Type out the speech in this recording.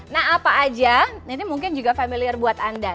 nah apa aja nanti mungkin juga familiar buat anda